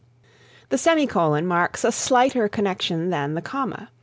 The Semicolon marks a slighter connection than the comma.